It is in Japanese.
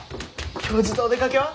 教授とお出かけは？